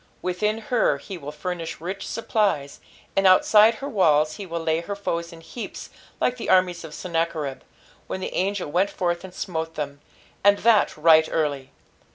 Within her he will furnish rich supplies, and outside her walls he wilt lay her foes in heaps like the armies of Senuacberih, when the angel went forth and smote them. "And that right early."